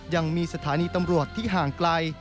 ยังมีสถานีตำรวจที่ห่างไกล